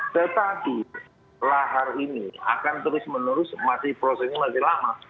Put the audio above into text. tetapi lahar ini akan terus menerus masih prosesnya masih lama